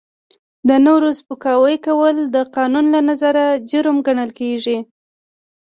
د نورو سپکاوی کول د قانون له نظره جرم ګڼل کیږي.